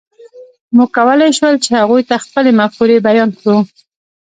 موږ کولی شول، چې هغوی ته خپلې مفکورې بیان کړو.